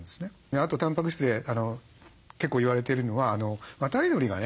あとたんぱく質で結構言われているのは渡り鳥がね